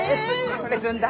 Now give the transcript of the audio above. これずんだ。